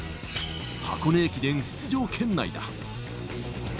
箱根駅伝出場圏内だ。